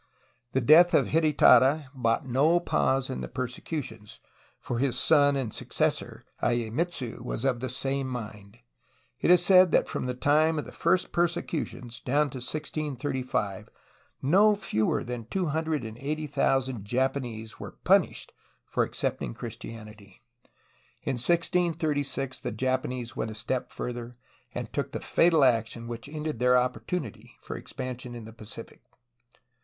The death of Hidetada brought no pause in the persecutions, for his son and suc cessor, lyemitsu, was of the same mind. It is said that from the time of the first persecutions down to 1635 no fewer than 280,000 Japanese were punished for accepting Chris tianity. In 1636 the Japanese went a step further, and took the fatal action which ended their opportunity for expansion in the Pacific.